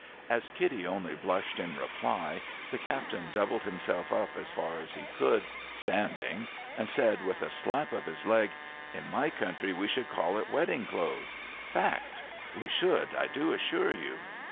As Kitty only blushed in reply, the captain doubled himself up as far as he could, standing, and said, with a slap of his leg, —' In my country we should call it wedding clothes. Fact ! We should, I do assure you.'